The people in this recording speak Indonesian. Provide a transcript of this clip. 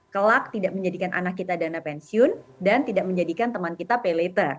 kelak tidak menjadikan anak kita dana pensiun dan tidak menjadikan teman kita pay later